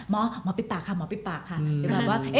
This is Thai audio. หมอหมอปิดปากค่ะหมอปิดปากค่ะ